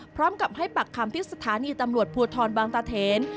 พร้อมกับให้ปักคำที่สถานีตำรวจภูทรบางตาเทน